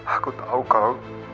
aku tau kau